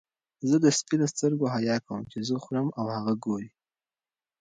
زه د سپي له سترګو حیا کوم چې زه خورم او هغه ګوري.